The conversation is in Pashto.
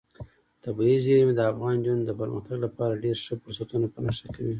طبیعي زیرمې د افغان نجونو د پرمختګ لپاره ډېر ښه فرصتونه په نښه کوي.